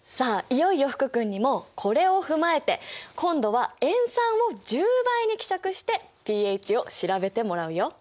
いよいよ福君にもこれを踏まえて今度は塩酸を１０倍に希釈してｐＨを調べてもらうよ。